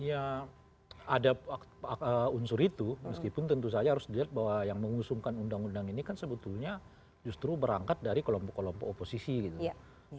ya ada unsur itu meskipun tentu saja harus dilihat bahwa yang mengusungkan undang undang ini kan sebetulnya justru berangkat dari kelompok kelompok oposisi gitu